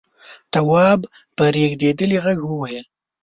تواب په رېږدېدلي غږ وويل: